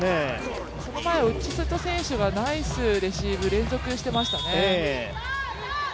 その前、内瀬戸選手がナイスレシーブ連続していましたね。